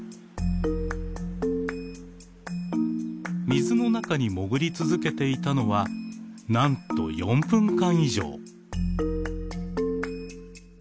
水の中に潜り続けていたのはなんと４分間以上。